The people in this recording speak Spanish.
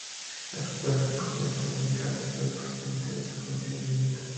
Las cuevas del viento, "Wind caves", se sabe que experimentan estas condiciones de viento.